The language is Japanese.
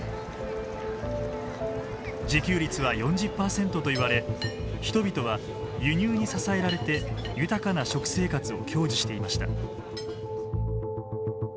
自給率は４０％といわれ人々は輸入に支えられて豊かな食生活を享受していました。